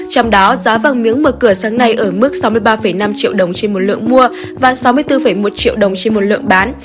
trong đó giá vàng miếng mở cửa sáng nay ở mức sáu mươi ba năm triệu đồng trên một lượng mua và sáu mươi bốn một triệu đồng trên một lượng bán